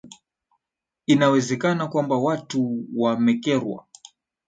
inawezekana kwamba watu wamekerwa